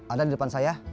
ada di depan saya